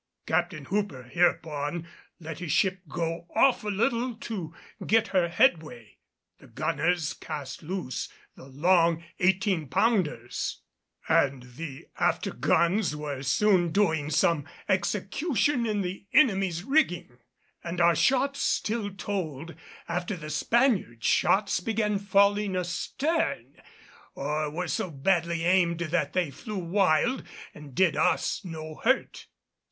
Captain Hooper hereupon let his ship go off a little to get her headway; the gunners cast loose the long eighteen pounders, and the after guns were soon doing some execution in the enemy's rigging, and our shots still told after the Spaniard's shots began falling astern, or were so badly aimed that they flew wild and did us no hurt.